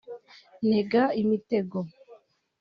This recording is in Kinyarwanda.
ntega imitego